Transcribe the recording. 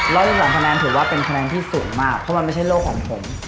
สิบสองคะแนนถือว่าเป็นคะแนนที่สูงมากเพราะมันไม่ใช่โลกของผม